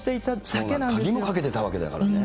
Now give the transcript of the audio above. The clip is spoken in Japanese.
鍵もかけてたわけだからね。